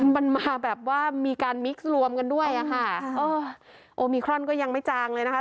มันมาแบบว่ามีการมิกซ์รวมกันด้วยอ่ะค่ะเออโอมิครอนก็ยังไม่จางเลยนะคะ